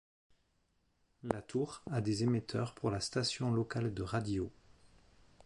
La tour a des émetteurs pour la station locale de radio.